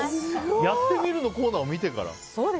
「やってみる。」のコーナーを見てから？